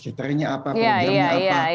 kriterianya apa programnya apa